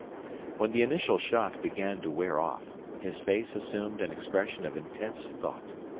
When the initial shock began to wear off, his face assumed an expression of intense thought.